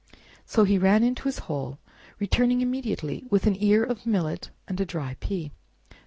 So he ran into his hole, returning immediately with an ear of millet and a dry pea.